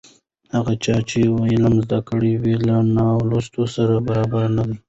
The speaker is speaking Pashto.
هغه چا چې علم زده کړی وي له نالوستي سره برابر نه دی.